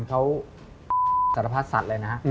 เขาสารพัดสัตว์เลยนะ